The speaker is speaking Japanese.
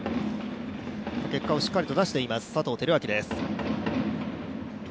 結果をしっかりと出しています、佐藤輝明です。